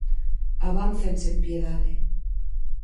Avanzan sen piedade.